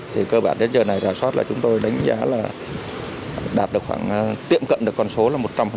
thì cơ bản đến giờ này rà soát là chúng tôi đánh giá là đạt được khoảng tiệm cận được con số là một trăm linh